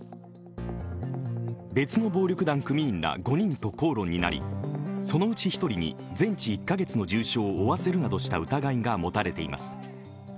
別の暴力団組員ら５人と口論になりそのうち１人に全治１か月の重傷を負わせるなどした疑いが持たれています。